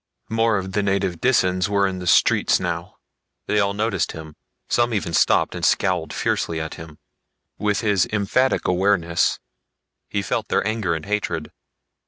More of the native Disans were in the streets now. They all noticed him, some even stopped and scowled fiercely at him. With his emphatic awareness he felt their anger and hatred.